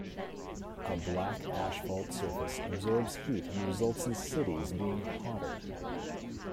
A black asphalt surface absorbs heat and results in cities being hotter.